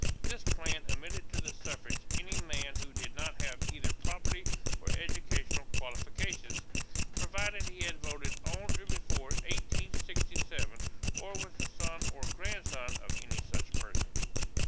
This plan admitted to the suffrage any man who did not have either property or educational qualifications, provided he had voted on or before 1867 or was the son or grandson of any such person.